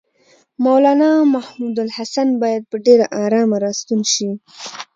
مولنا محمودالحسن باید په ډېره آرامه راستون شي.